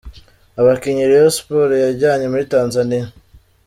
Abakinnyi Rayon Sports yajyanye muri Tanzania:.